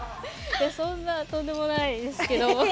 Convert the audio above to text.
そんなとんでもないですけど。